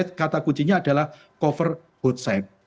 menurut saya kata kuncinya adalah cover both side